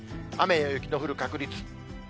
雨や雪の降る確率。